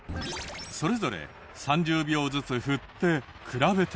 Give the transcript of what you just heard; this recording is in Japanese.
それぞれ３０秒ずつ振って比べてみる。